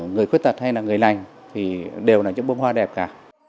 người khuyết tật hay là người lành thì đều là những bông hoa đẹp cả